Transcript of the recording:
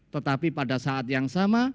tetapi pada saat yang sama